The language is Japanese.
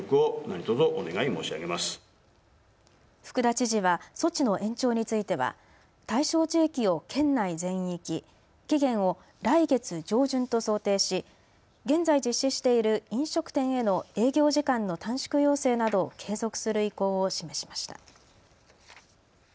福田知事は措置の延長については対象地域を県内全域、期限を来月上旬と想定し、現在、実施している飲食店への営業時間の短縮要請などを継続する意向を示しました。